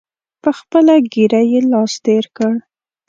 په خپله ږیره یې لاس تېر کړ.